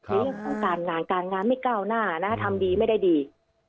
ในเรื่องของการงานการงานไม่ก้าวหน้านะทำดีไม่ได้ดี